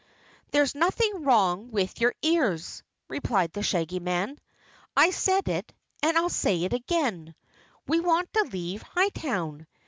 "There's nothing wrong with your ears," replied the Shaggy Man. "I said it and I'll say it again we want to leave Hightown!